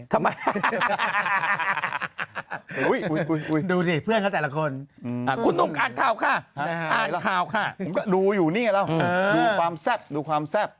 ครับมาดูสิเพื่อนเค้าแต่ละคนอาจทาวค่ะดูอยู่นี่แล้วดูความซับ